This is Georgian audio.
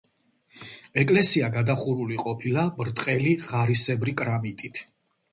ეკლესია გადახურული ყოფილა ბრტყელი და ღარისებრი კრამიტით.